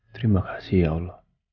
terima kasih ya allah